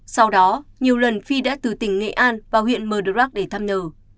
sau đó nhiều lần phi đã từ tỉnh nghệ an vào huyện mờ đức để thăm n